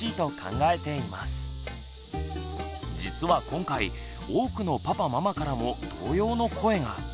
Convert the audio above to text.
実は今回多くのパパママからも同様の声が。